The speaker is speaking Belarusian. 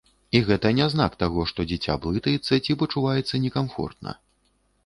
І гэта не знак таго, што дзіця блытаецца ці пачуваецца не камфортна.